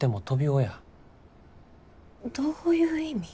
どういう意味？